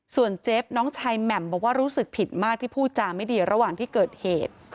ส่วนเจ๊บน้องชายแหม่มบอกว่ารู้สึกผิดมากที่พูดจาไม่ดีระหว่างที่เกิดเหตุ